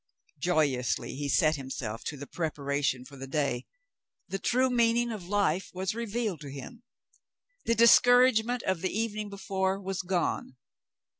Joyously he set himself to the preparation for the day. The true meaning of life was revealed to him. The dis couragement of the evening before was gone.